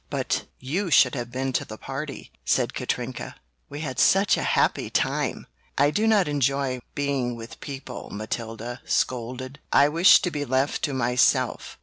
But you should have been to the party!" said Katrinka, "We had such a happy time!" "I do not enjoy being with people!" Matilda scolded, "I wish to be left to myself!"